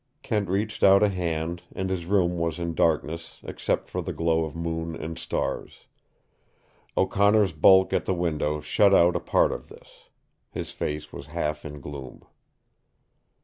Kent reached out a hand, and his room was in darkness except for the glow of moon and stars. O'Connor's bulk at the window shut out a part of this. His face was half in gloom.